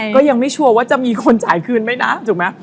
ก็ยังไม่ชัวร์ว่าจะมีคนจ่ายคืนไหมนะถูกไหม